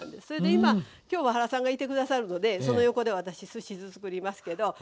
それで今今日は原さんがいてくださるのでその横で私すし酢作りますけど。